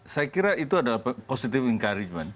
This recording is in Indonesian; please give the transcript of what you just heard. saya kira itu adalah positive encouragement